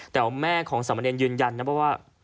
แต่แม่ของสามเณรยืนยันว่า